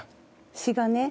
詩がね